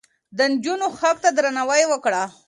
د نجونو حق ته درناوی وکړه.